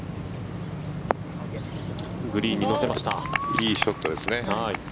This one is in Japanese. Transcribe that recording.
いいショットですね。